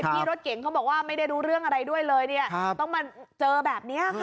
ที่รถเก่งเขาบอกว่าไม่ได้รู้เรื่องอะไรด้วยเลยเนี่ยต้องมาเจอแบบนี้ค่ะ